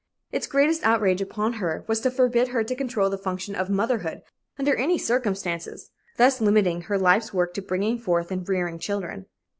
Its greatest outrage upon her was to forbid her to control the function of motherhood under any circumstances, thus limiting her life's work to bringing forth and rearing children.